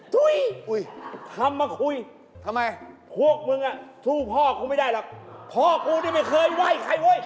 ทุยทำมาคุยพวกมึงอะสู้พ่อคุณไม่ได้หรอกพ่อคุณได้ไม่เคยไหว้ใครโอ้ย